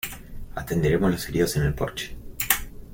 Atenderemos los heridos en el porche.